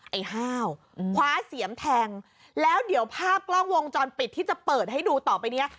ไอ้ห้าวคว้าเสียมแทงแล้วเดี๋ยวภาพกล้องวงจรปิดที่จะเปิดให้ดูต่อไปเนี้ย